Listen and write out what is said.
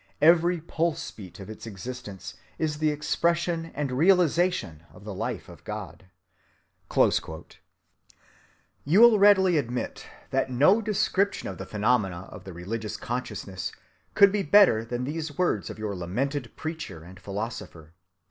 Every pulse‐beat of its [existence] is the expression and realization of the life of God."(297) You will readily admit that no description of the phenomena of the religious consciousness could be better than these words of your lamented preacher and philosopher.